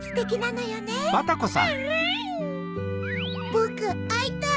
ぼくあいたい！